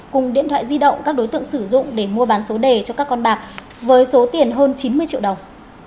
cùng điện thoại di động các đối tượng sử dụng để mua bán số đề cho các con bạc với số tiền hơn chín mươi triệu đồng